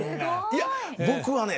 いや僕はね